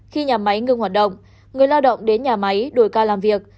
khi nhà máy ngưng hoạt động người lao động đến nhà máy đổi ca làm việc